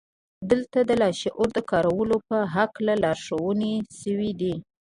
دلته د لاشعور د کارولو په هکله لارښوونې شوې دي